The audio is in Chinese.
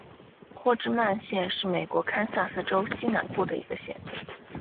霍治曼县是美国堪萨斯州西南部的一个县。